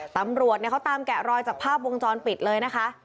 ตำรวจเขาตามแกะรอยจากภาพวงจรปิดเลยนะคะ